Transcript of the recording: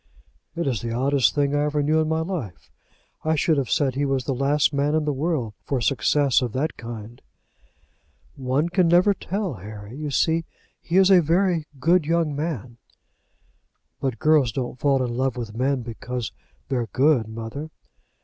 "It is the oddest thing I ever knew in my life. I should have said he was the last man in the world for success of that kind." "One never can tell, Harry. You see he is a very good young man." "But girls don't fall in love with men because they're good, mother."